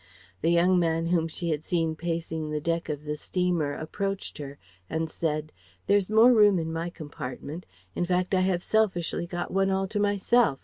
The young man whom she had seen pacing the deck of the steamer approached her and said: "There is more room in my compartment; in fact I have selfishly got one all to myself.